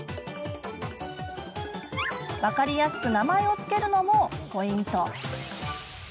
分かりやすく名前を付けるのもポイント。